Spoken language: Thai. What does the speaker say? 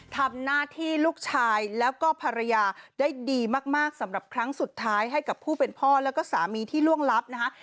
ทำหน้าที่ลูกชายแล้วก็ภรรยาได้ดีมากสำหรับครั้งสุดท้ายให้กับผู้เป็นพ่อแล้วก็สามีที่ล่วงลับนะคะ